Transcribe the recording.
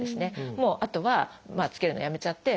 もうあとはつけるのをやめちゃって。